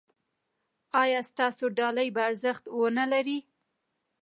ایا ستاسو ډالۍ به ارزښت و نه لري؟